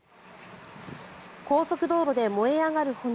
高速道路で燃え上がる炎。